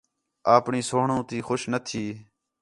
اپݨی سوہڑوں تی خوش نہ تھی